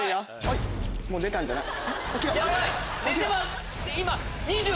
もう出たんじゃない？